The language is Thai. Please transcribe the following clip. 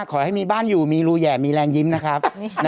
ขอให้มีบ้านอยู่มีรูแห่มีแรงยิ้มนะครับ